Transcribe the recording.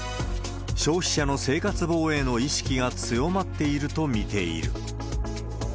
消費者の生活防衛の意識が強まっていると見ている。